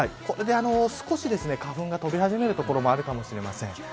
これで少し花粉が飛び始める所もあるかもしれません。